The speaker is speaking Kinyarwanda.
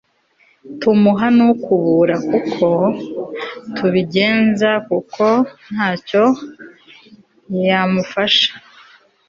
tumuha nukubura uko tubigenza kuko ntacyo yamufasha